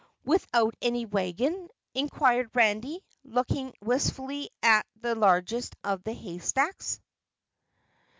"Without any wagon?" inquired Randy, looking wistfully at the largest of the haystacks.